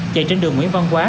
chạy trên đường nguyễn văn quá